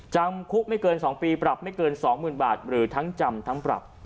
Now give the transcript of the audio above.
จำคุกไม่เกิน๒ปีปรับไม่เกิน๒๐๐๐บาทหรือทั้งจำทั้งปรับ